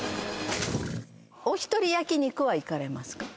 おひとり焼肉は行かれますか？